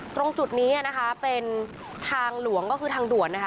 ตรงจุดนี้เป็นทางหลวงก็คือทางด่วน